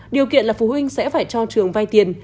điều kiện là phụ huynh sẽ phải cho trường vay tiền